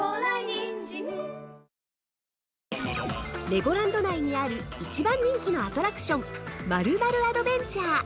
◆レゴランド内にある一番人気のアトラクション○○アドベンチャー。